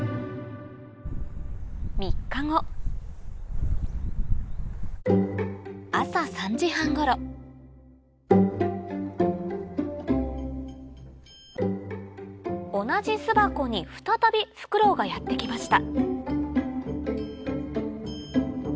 ３日後同じ巣箱に再びフクロウがやって来ました